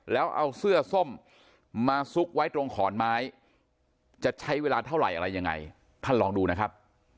แล้วเอาเสื้อส้มมาซุกไว้ตรงขอนไม้จะใช้เวลาเท่าไหร่อะไรยังไงท่านลองดูนะครับ